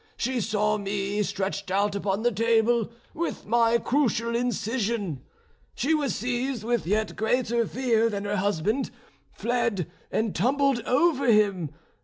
She saw me stretched out upon the table with my crucial incision. She was seized with yet greater fear than her husband, fled, and tumbled over him.